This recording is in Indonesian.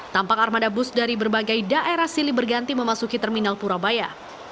tampak armada bus dari berbagai daerah silih berganti memasuki terminal purabaya